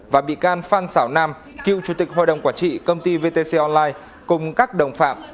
và bị can phan xảo nam cựu chủ tịch hội đồng quản trị công ty vtc online cùng các đồng phạm